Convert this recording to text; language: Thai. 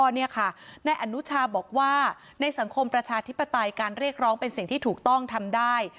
นายอนุชาบอกว่าในสังคมประชาธิปไตยการเรียกร้องเป็นสิ่งที่ถูกต้องทำได้